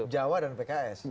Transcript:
jawa dan pks